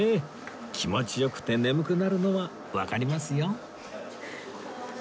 気持ち良くて眠くなるのはわかりますよ